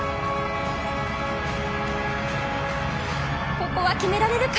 ここは決められるか？